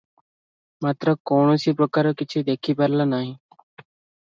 ମାତ୍ର କୌଣସି ପ୍ରକାର କିଛି ଦେଖିପାରିଲା ନାହିଁ ।